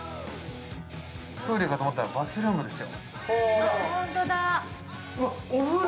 トイレかと思ったらバスルームですよ。